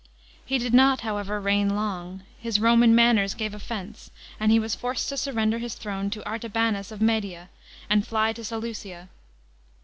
He did not, however, reign long ; his Roman manners gave offence ; and he was forced to surrender his throne to Artabanus of Media, and fly to Seleucia.